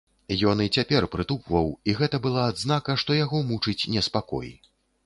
Ён і цяпер прытупваў, і гэта была адзнака, што яго мучыць неспакой.